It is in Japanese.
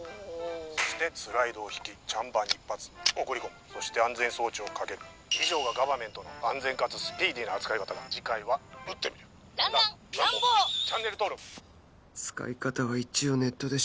「そしてスライドを引きチャンバーに１発送り込む」「そして安全装置をかける」「以上がガバメントの安全かつスピーディーな扱い方だ」「チャンネル登録」使い方は一応ネットで調べたけど